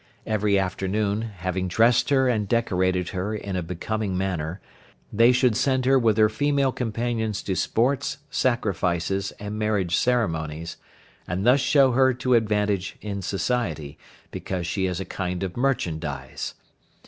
Every afternoon, having dressed her and decorated her in a becoming manner, they should send her with her female companions to sports, sacrifices, and marriage ceremonies, and thus show her to advantage in society, because she is a kind of merchandise.